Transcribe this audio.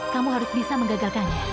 kamu harus bisa menggagalkannya